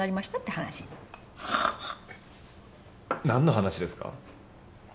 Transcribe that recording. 何の話ですか？